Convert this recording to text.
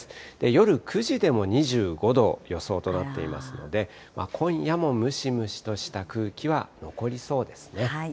夜９時でも２５度予想となっていますので、今夜もムシムシとした空気は残りそうですね。